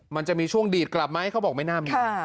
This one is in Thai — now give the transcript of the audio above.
มันจะมีช่วงดีดกลับไหมเขาบอกไม่น่ามี